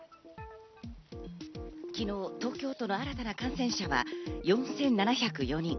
昨日、東京都の新たな感染者は４７０４人。